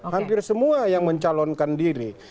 hampir semua yang mencalonkan diri